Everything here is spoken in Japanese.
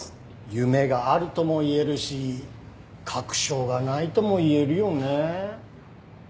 夢があるとも言えるし確証がないとも言えるよね。